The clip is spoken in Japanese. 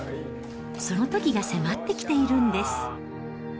そのときが迫ってきているんです。